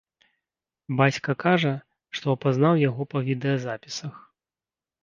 Бацька кажа, што апазнаў яго па відэазапісах.